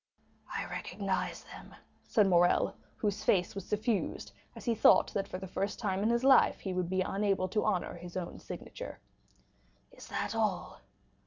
"I recognize them," said Morrel, whose face was suffused, as he thought that, for the first time in his life, he would be unable to honor his own signature. "Is this all?"